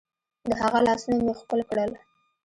د هغه لاسونه مې ښكل كړل.